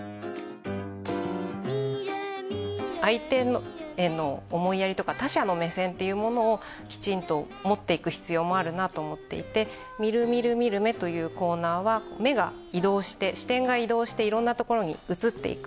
相手への思いやりとか他者の目線というものをきちんと持っていく必要もあるなと思っていて「みるみるみるめ」というコーナーは目が移動して視点が移動していろんなところに移っていく。